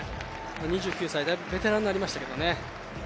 ２９歳、ベテランになりましたけどね